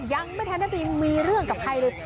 ยังไม่แทนที่มีเรื่องกับใครเลย